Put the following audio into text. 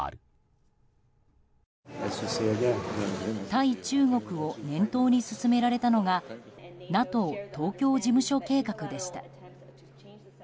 対中国を念頭に進められたのがＮＡＴＯ東京事務所計画でした。